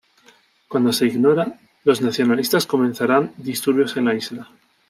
Cuando se ignora, los nacionalistas comenzarán disturbios en la isla.